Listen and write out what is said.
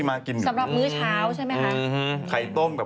สำหรับเมื่อกล้วยเช้าใช่ไหมคะ